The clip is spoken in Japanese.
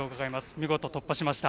見事、突破しました。